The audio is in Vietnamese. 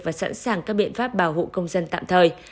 và sẵn sàng các biện pháp bảo hộ công dân tạm thời